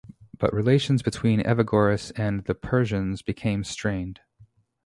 But relations between Evagoras and the Persians became strained.